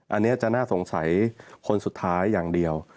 อันนี้จะน่าสงสัยคนสุดท้ายอย่างเดียว